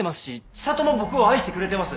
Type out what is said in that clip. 「知里も僕を愛してくれてます」